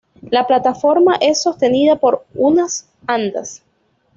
La plataforma es sostenida por unas andas.